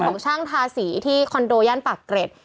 ของช่างทาสีที่คอนโดย่านปากเกร็ด